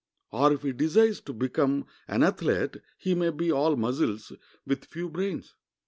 Or, if he desires to become an athlete, he may be all muscles, with few brains.